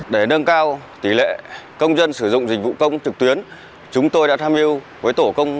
để nâng cao tỷ lệ công dân sử dụng dịch vụ công trực tuyến chúng tôi đã tham hiu với tổ công